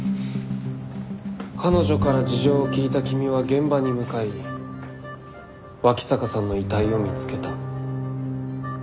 彼女から事情を聴いた君は現場に向かい脇坂さんの遺体を見つけた。